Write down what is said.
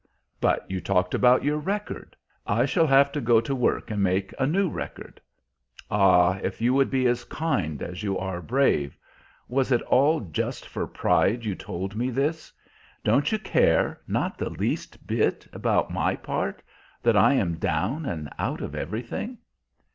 "But you talked about your record." "I shall have to go to work and make a new record. Ah, if you would be as kind as you are brave! Was it all just for pride you told me this? Don't you care, not the least bit, about my part that I am down and out of everything?"